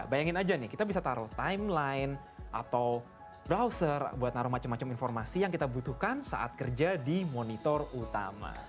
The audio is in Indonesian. bayangin aja nih kita bisa taruh timeline atau browser buat naruh macam macam informasi yang kita butuhkan saat kerja di monitor utama